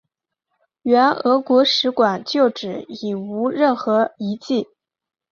原俄国使馆旧址已无任何遗迹。